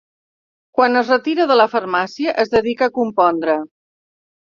Quan es retira de la farmàcia es dedica a compondre.